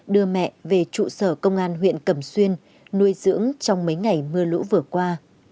đưa mẹ về trụ sở công an huyện cẩm xuyên nuôi dưỡng trong mấy ngày mưa lũ vừa qua